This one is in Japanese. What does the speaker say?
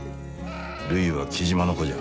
るいは雉真の子じゃ。